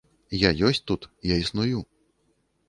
Я ёсць тут, я існую.